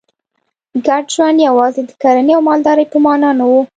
ګډ ژوند یوازې د کرنې او مالدارۍ په معنا نه و